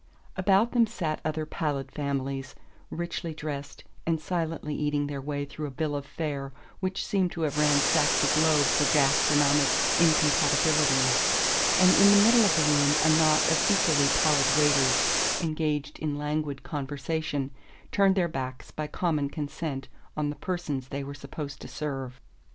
About them sat other pallid families, richly dressed, and silently eating their way through a bill of fare which seemed to have ransacked the globe for gastronomic incompatibilities; and in the middle of the room a knot of equally pallid waiters, engaged in languid conversation, turned their backs by common consent on the persons they were supposed to serve.